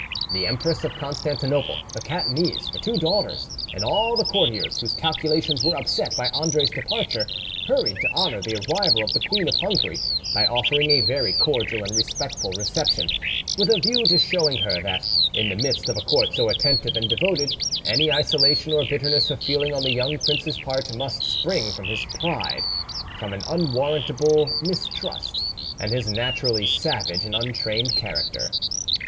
The Empress of Constantinople, the Catanese, her two daughters, and all the courtiers, whose calculations were upset by Andre's departure, hurried to honour the arrival of the Queen of Hungary by offering a very cordial and respectful reception, with a view to showing her that, in the midst of a court so attentive and devoted, any isolation or bitterness of feeling on the young prince's part must spring from his pride, from an unwarrantable mistrust, and his naturally savage and untrained character.